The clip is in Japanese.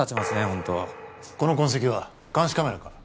ホントこの痕跡は監視カメラか？